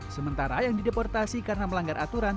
sementara yang dideportasi karena melanggar aturan